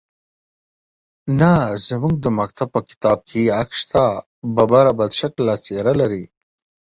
_نه، زموږ د مکتب په کتاب کې يې عکس شته. ببره، بدشکله څېره لري.